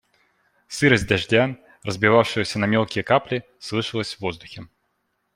Сырость дождя, разбивавшегося на мелкие капли, слышалась в воздухе.